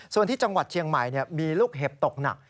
ส่วนที่จังหวัดเชียงใหม่มีลูกเห็บตกหนัก